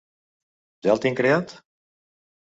Ja el tinc creat?